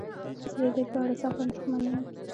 زه ددې په اړه سخت انديښمن يم.